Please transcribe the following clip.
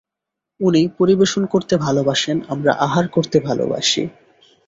উনি পরিবেশন করতে ভালোবাসেন, আমরা আহার করতে ভালোবাসি।